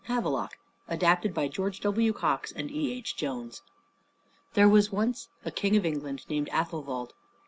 HAVELOK ADAPTED BY GEORGE W. COX AND E.H. JONES There was once a King of England named Athelwold.